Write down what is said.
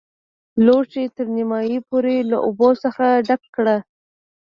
لوښی تر نیمايي پورې له اوبو څخه ډک کړئ.